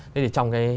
thế thì trong cái